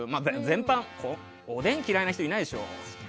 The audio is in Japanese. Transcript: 全般、おでん嫌いな人いないでしょ。